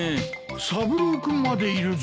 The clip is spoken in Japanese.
三郎君までいるぞ。